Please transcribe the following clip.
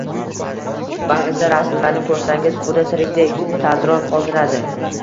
Ba'zi rasmlarni ko‘rsangiz, xuddi tirikdek taassurot qoldiradi